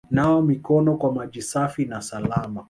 Nawa mikono kwa maji safi na salama